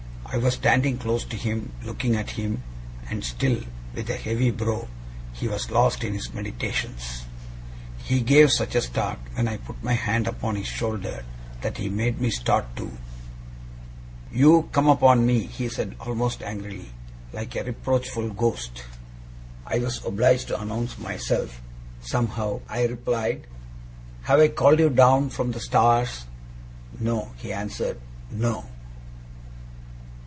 I was standing close to him, looking at him; and still, with a heavy brow, he was lost in his meditations. He gave such a start when I put my hand upon his shoulder, that he made me start too. 'You come upon me,' he said, almost angrily, 'like a reproachful ghost!' 'I was obliged to announce myself, somehow,' I replied. 'Have I called you down from the stars?' 'No,' he answered. 'No.